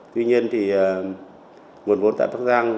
tuy nhiên thì nguồn vốn tại bắc giang